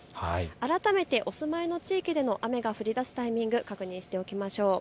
改めてお住まいの地域で雨の降りだすタイミングを確認しておきましょう。